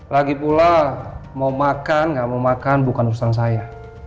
lagipula mau makan gak mau makan bukan urusan saya